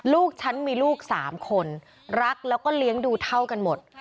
ลูกฉันมีลูก๓คนรักแล้วก็เลี้ยงดูเท่ากันหมด